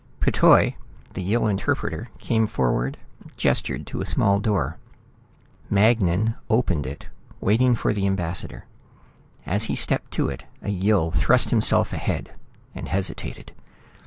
P'Toi, the Yill interpreter, came forward, gestured to a small door. Magnan opened it, waiting for the ambassador. As he stepped to it, a Yill thrust himself ahead and hesitated.